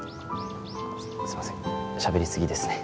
すいませんしゃべりすぎですね